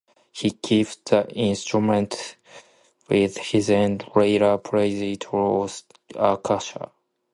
He keeps the instrument with him and, later, plays it for Akasha.